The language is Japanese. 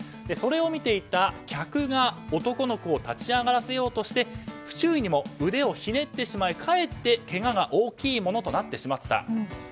それを見ていた客が男の子を立ち上がらせようとして不注意にも腕をひねってしまいかえって、けがが大きいものとなってしまった。